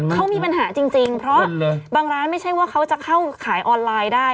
เขามีปัญหาจริงเพราะบางร้านไม่ใช่ว่าเขาจะเข้าขายออนไลน์ได้